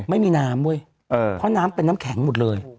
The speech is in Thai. ไม่มีน้ำเว้ยเพราะน้ำเป็นน้ำแข็งหมดเลย